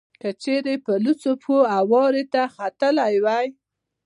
که چېرې په لوڅو پښو هوارې ته ختلی وای.